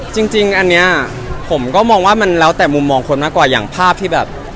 จริงจริงก็อย่างที่บอกครับว่าหลังจากพี่เขาเรียนจบไปเราก็ไม่ได้เจอกัน